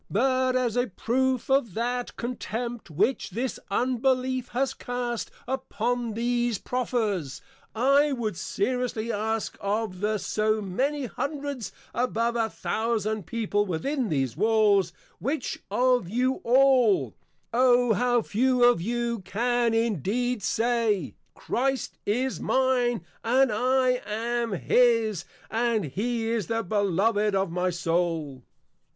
_ But, as a proof of that Contempt which this Unbelief has cast upon these proffers, I would seriously ask of the so many Hundreds above a Thousand People within these Walls; which of you all, O how few of you, can indeed say, _Christ is mine, and I am his, and he is the Beloved of my Soul?